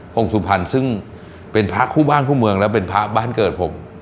งสุพรรณซึ่งเป็นพระคู่บ้านคู่เมืองและเป็นพระบ้านเกิดผม